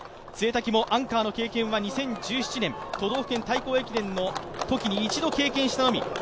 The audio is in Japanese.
潰滝もアンカーの経験は２００７年、都道府県対抗駅伝のときに１度経験したのみ。